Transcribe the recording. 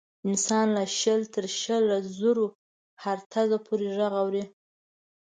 انسان له شل تر شل زرو هرتز پورې غږ اوري.